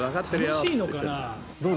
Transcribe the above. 楽しいのかな？